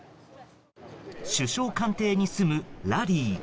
首相官邸に住むラリー。